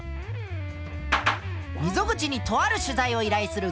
溝口にとある取材を依頼する